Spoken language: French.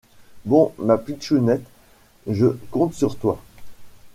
Bon, ma pitchounette, je compte sur toi.